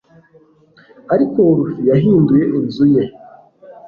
ariko wolfie yahinduye inzu ye